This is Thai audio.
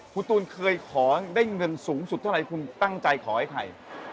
คุณตูนเคยขอได้เงินสูงสุดเท่าไรคุณตั้งใจขอให้ใคร